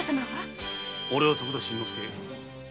俺は徳田新之助。